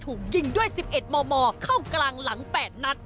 ถูกยิงด้วย๑๑มมเข้ากลางหลัง๘นัด